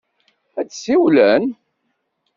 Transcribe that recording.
Ad d-siwlen?